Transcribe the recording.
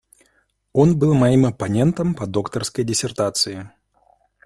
Он был моим оппонентом по докторской диссертации.